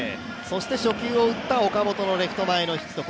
初球を打った岡本のレフト前ヒット。